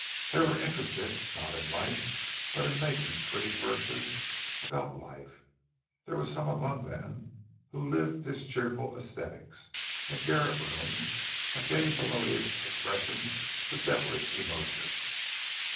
They were interested, not in life, but in making pretty verses about life; there were some among them who lived as cheerful ascetics in garret rooms, and gave melodious expression to devilish emotions.